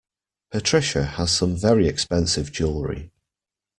Patricia has some very expensive jewellery